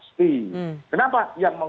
betul ini kan soal kebijakan